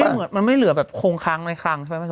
เหมือนมันไม่เหลือแบบโครงค้างในครั้งใช่ไหม